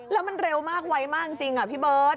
แล้วมันเร็วมากไวมากจริงพี่เบิร์ต